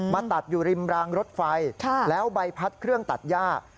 ตัดอยู่ริมรางรถไฟแล้วใบพัดเครื่องตัดย่า